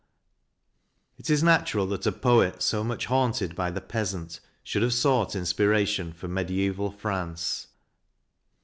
It is natural that a poet so much haunted by the peasant should have sought inspiration from mediaeval France.